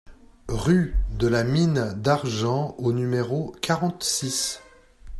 Rue de la Mine d'Argent au numéro quarante-six